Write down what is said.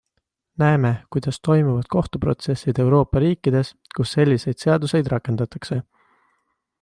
Näeme, kuidas toimuvad kohtuprotsessid Euroopa riikides, kus selliseid seaduseid rakendatakse.